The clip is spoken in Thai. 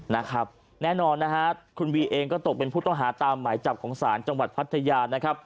แน่นอนนะฮะคุณวีเองก็ตกเป็นผู้ต้องหาตามหมายจับของศาลจังหวัดพัทยานะครับ